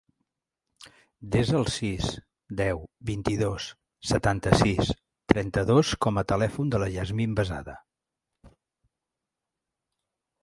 Desa el sis, deu, vint-i-dos, setanta-sis, trenta-dos com a telèfon de la Yasmine Besada.